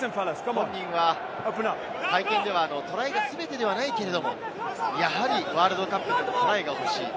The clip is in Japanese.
本人は会見ではトライが全てではないけれども、やはりワールドカップ、トライが欲しい。